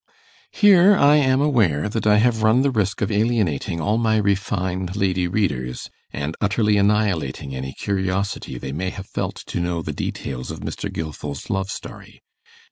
Here I am aware that I have run the risk of alienating all my refined lady readers, and utterly annihilating any curiosity they may have felt to know the details of Mr. Gilfil's love story.